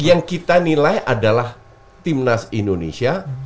yang kita nilai adalah timnas indonesia